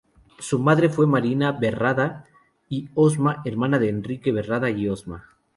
Su madre fue Mariana Barreda y Osma, hermana de Enrique Barreda y Osma.